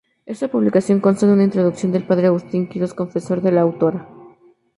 Esta publicación consta de una introducción del padre Agustín Quirós, confesor de la autora.